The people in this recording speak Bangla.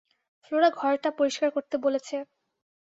ফ্লোরা ঘরটা পরিস্কার করতে বলেছে।